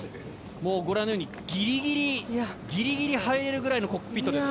もうご覧のようにギリギリギリギリ入れるぐらいのコックピットです。